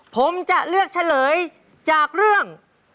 ผมจะเลือกเฉลยจากเรื่อง